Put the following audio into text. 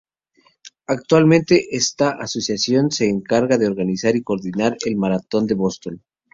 Actualmente esta asociación se encarga de organizar y coordinar la maratón de Boston.